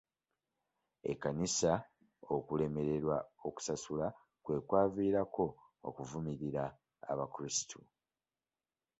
Ekkanisa okulemererwa okusasula kwe kwavirako okuvumirira abakulisitu.